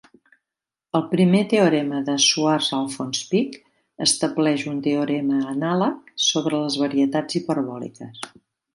El l teorema de Schwarz-Ahlfors-Pick estableix un teorema anàleg sobre les varietats hiperbòliques.